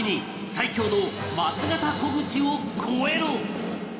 最強の枡形虎口を超えろ！